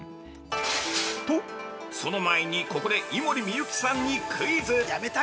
と、その前にここで井森美幸さんにクイズ。